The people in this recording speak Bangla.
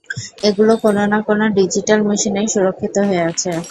এগুলো কোনো না কোনো ডিজিটাল মেশিনেই সুরক্ষিত হয়ে আছে।